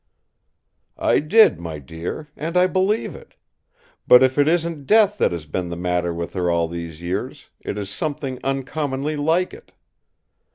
"I did, my dear; and I believe it! But if it isn't death that has been the matter with her all these years, it is something uncommonly like it.